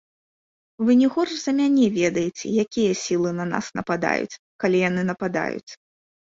Вы не горш за мяне ведаеце, якія сілы на нас нападаюць, калі яны нападаюць.